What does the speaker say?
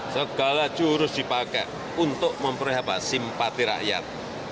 segala jurus dipakai untuk memperhatikan simpati rakyat